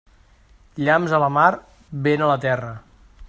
Llamps a la mar, vent a la terra.